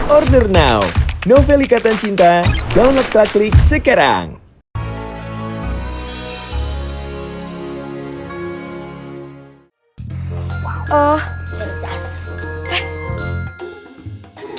order now novel ikatan cinta download praklik sekarang